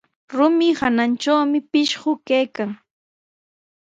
Rumi hanantrawmi pishqu kaykan.